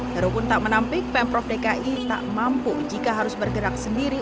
heru pun tak menampik pemprov dki tak mampu jika harus bergerak sendiri